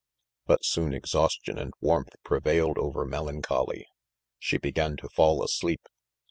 But soon exhaustion and warmth prevailed over melancholy. She began to fall asleep.